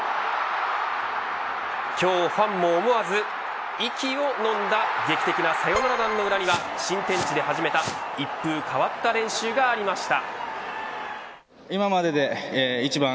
今日ファンも思わず息をのんだ劇的なサヨナラ弾の裏には新天地で始めた一風変わった練習がありました。